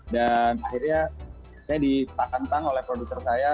dan akhirnya saya ditakang takang oleh produser saya